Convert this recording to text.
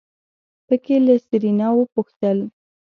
په کې له سېرېنا وپوښتل.